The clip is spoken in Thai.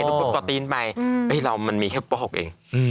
รูปปลอตรีนไปเฮ้ยเรามันมีแค่วุฒิปวช๖เอง